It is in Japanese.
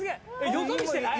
よそ見してない？